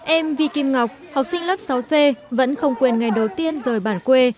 em vi kim ngọc học sinh lớp sáu c vẫn không quên ngày đầu tiên rời bản quê